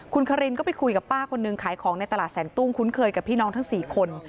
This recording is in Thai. คุณคารินก็ไปคุยกับป้าคนนึงขายของในตลาดแสนตุ้งคุ้นเคยกับพี่น้องทั้ง๔คน